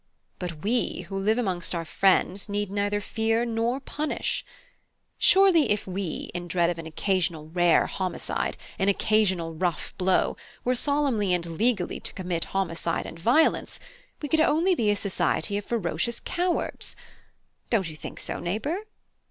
But we who live amongst our friends need neither fear nor punish. Surely if we, in dread of an occasional rare homicide, an occasional rough blow, were solemnly and legally to commit homicide and violence, we could only be a society of ferocious cowards. Don't you think so, neighbour?"